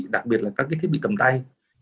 đặc biệt là các thiết bị cầm tay